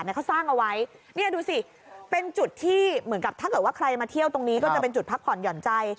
ถ้าเกิดว่าใครมาเที่ยวตรงนี้ก็จะเป็นจุดพักผ่อนหย่อนใจ